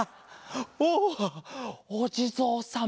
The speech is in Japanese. おおおじぞうさま！